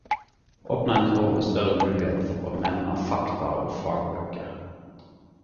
Opnar ein tråd med større mulighet for å nemna fakta- og fagbøker..!